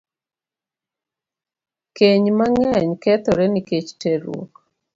Keny mang'eny kethore nikech terruok.